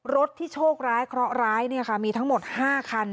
รถที่โชคร้ายเคราะหร้ายมีทั้งหมด๕คัน